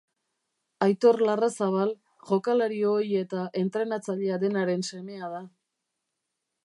Aitor Larrazabal jokalari ohi eta entrenatzailea denaren semea da.